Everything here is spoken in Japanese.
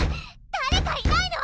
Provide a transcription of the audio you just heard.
誰かいないの⁉